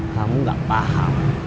kamu gak paham